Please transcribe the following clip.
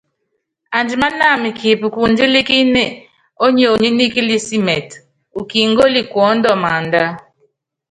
Andímánáma kipíkundílíkíni ónyonyi nikilísimitɛ, ukíngóli kuɔ́ndɔ maánda.